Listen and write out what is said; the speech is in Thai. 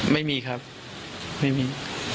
ไม่มีครับไม่มี